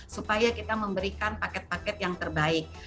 supaya kita memberikan paket paket yang terbaik